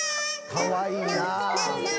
かわいいなあ。